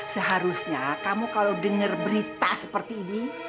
seharusnya kamu kalau dengar berita seperti ini